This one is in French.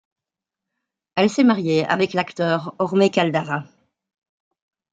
Elle s'est mariée avec l'acteur Orme Caldara.